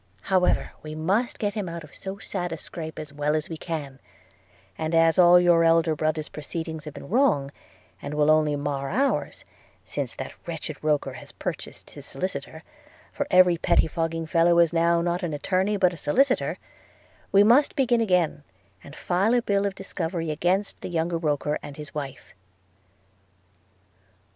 However, we must get him out of so sad a scrape as well as we can; and as all your elder brother's proceedings have been wrong, and will only mar ours since that wretched Roker has purchased his Solicitor (for every pettifogging fellow is now, not an attorney, but a solicitor), we must begin again, and file a bill of discovery against the younger Roker and his wife.'